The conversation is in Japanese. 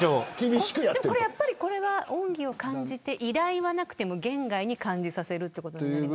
これは恩義を感じて依頼はなくても言外に感じさせるということなんですか。